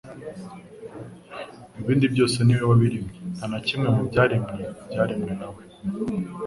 ibindi byose niwe wabiremye. Nta na kimwe mu byaremwe byaremwe na we”